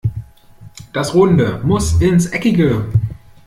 Das Runde muss ins Eckige.